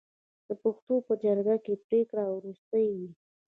د پښتنو په جرګه کې پریکړه وروستۍ وي.